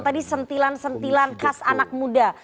tadi sentilan sentilan khas anak muda